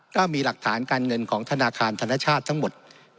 ก็มีหลักฐานการเงินของธนาคารธนชาติทั้งหมด